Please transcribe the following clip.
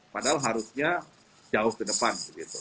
padahal harusnya jauh ke depan